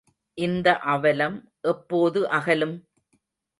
இந்த அவலம் எப்போது அகலும்?